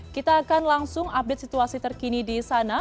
kita akan langsung update situasi terkini di sana